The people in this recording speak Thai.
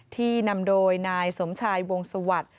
ที่นำโดยนายสมชายวงศวรรษ